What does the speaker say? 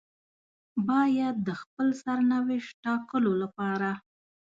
بايد د خپل سرنوشت ټاکلو لپاره.